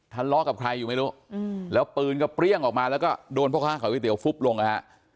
ทะเลาะกับใครอยู่ไม่รู้แล้วปืนก็เปรี้ยงออกมาแล้วก็โดนพ่อค้าขายก๋วฟุบลงนะฮะ